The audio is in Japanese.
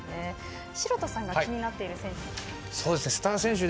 城田さんが気になっている選手は？